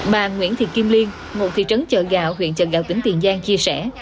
bà nguyễn thị kim liên một thị trấn chợ gạo huyện chợ gạo tỉnh tiền giang chia sẻ